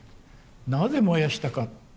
なぜ燃やしたか。